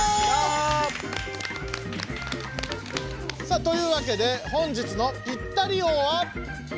さあというわけで本日のピッタリ王はユウマ！